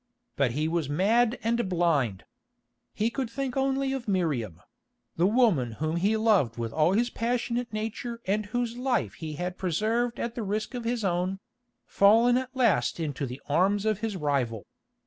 But he was mad and blind. He could think only of Miriam—the woman whom he loved with all his passionate nature and whose life he had preserved at the risk of his own—fallen at last into the arms of his rival.